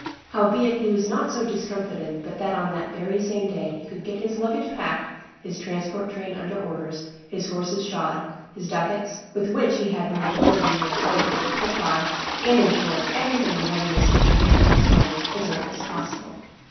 Howbeit he was not so discomfited but that on that very same day he could get his luggage packed, his transport train under orders, his horses shod, his ducats, with which he had more than thirty mules laden, put by, and, in short, everything in readiness to decamp next morning as early as possible."